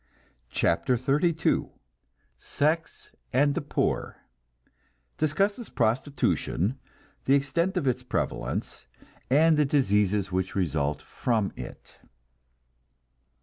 CHAPTER XXXII SEX AND THE POOR (Discusses prostitution, the extent of its prevalence, and the diseases which result from it.)